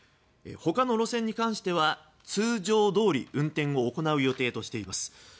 他の路線に関しては通常どおり運転を行う予定としています。